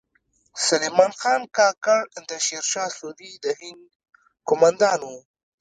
سلیمان خان کاکړ د شیر شاه سوري د هند کومندان و